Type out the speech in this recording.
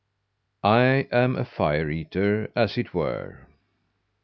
"I am a fire eater, as it were.